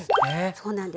そうなんです。